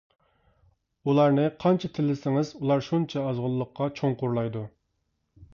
ئۇلارنى قانچە تىللىسىڭىز ئۇلار شۇنچە ئازغۇنلۇققا چوڭقۇرلايدۇ.